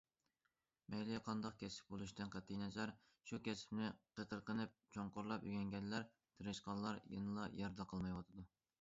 مەيلى قانداق كەسىپ بولۇشىدىن قەتئىينەزەر، شۇ كەسىپنى قېتىرقىنىپ، چوڭقۇرلاپ ئۆگەنگەنلەر، تىرىشقانلار يەنىلا يەردە قالمايۋاتىدۇ.